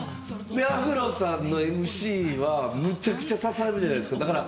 アフロさんのＭＣは、むちゃくちゃ刺さるじゃないですか。